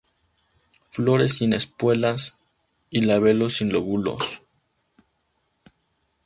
Flores sin espuelas y labelo sin lóbulos.